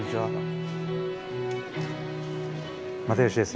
又吉です。